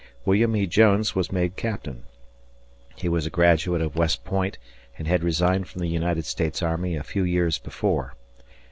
William E. Jones was made captain. He was a graduate of West Point and had resigned from the United States army a few years before.